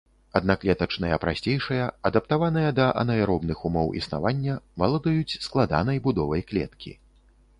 Аднаклетачныя прасцейшыя, адаптаваныя да анаэробных умоў існавання, валодаюць складанай будовай клеткі.